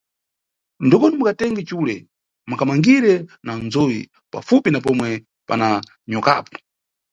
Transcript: Ndokoni mukatenge cule, mukamangirire na ndzoyi pafupi na pomwe pana nyokapo.